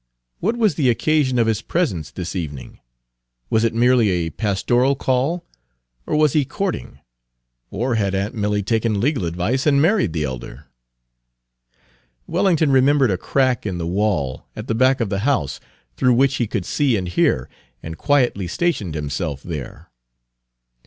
What was the occasion of his presence this evening? Was it merely a pastoral call? or was he courting? or had aunt Milly taken legal advice and married the elder? Page 264 Wellington remembered a crack in the wall, at the back of the house, through which he could see and hear, and quietly stationed himself there.